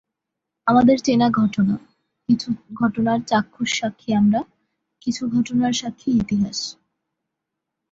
আমাদের চেনা ঘটনা, কিছু ঘটনার চাক্ষুষ সাক্ষী আমরা, কিছু ঘটনার সাক্ষী ইতিহাস।